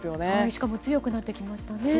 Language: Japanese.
しかも強くなってきましたね。